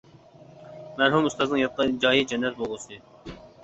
مەرھۇم ئۇستازنىڭ ياتقان جايى جەننەت بولغۇسى!